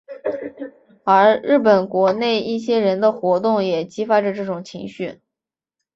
而日本国内一些人的活动也激发着这种情绪。